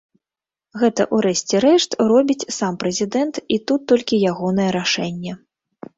Гэта ў рэшце рэшт робіць сам прэзідэнт, і тут толькі ягонае рашэнне.